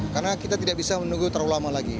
karena kita tidak bisa menunggu terlalu lama lagi